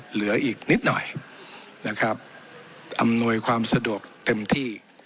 เหลืออีกนิดหน่อยนะครับอำนวยความสะดวกเต็มที่